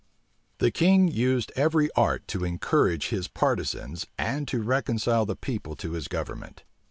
The king used every art to encourage his partisans, and to reconcile the people to his government.